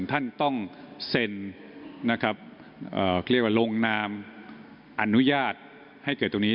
ท่านต้องเซ็นโรงนามอนุญาตให้เกิดตรงนี้